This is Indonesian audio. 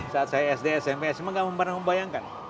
saat saya sd smp sma tidak pernah membayangkan